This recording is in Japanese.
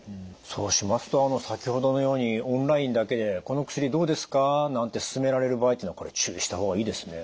そうしますと先ほどのようにオンラインだけで「この薬どうですか？」なんて勧められる場合っていうのは注意した方がいいですね。